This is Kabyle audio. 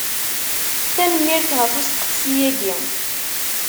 Tanemmirt ɣef usteqsi-agi.